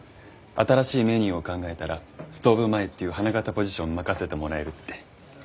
新しいメニューを考えたらストーブ前っていう花形ポジション任せてもらえるって。